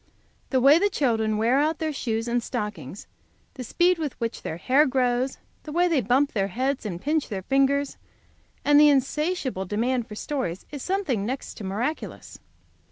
The way the children wear out their shoes and stockings, the speed with which their hair grows, the way they bump their heads and pinch their fingers, and the insatiable demand for stories, is something next to miraculous.